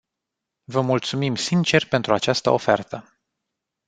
Vă mulțumim sincer pentru această ofertă.